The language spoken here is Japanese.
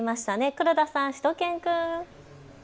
黒田さん、しゅと犬くん。